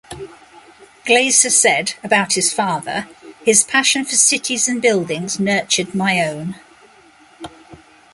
Glaeser said, about his father, "His passion for cities and buildings nurtured my own".